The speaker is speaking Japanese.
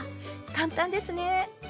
簡単ですね。